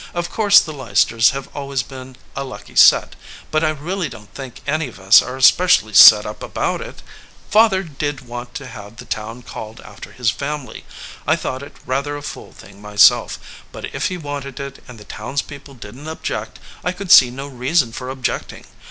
"Of course the Leicesters have always been a lucky set; but I really don t think any of us are especially set up about it. Father did want to have the town called after his family. I thought it rather a fool thing myself, but if he wanted it and the townspeople didn t object I could see no reason for objecting.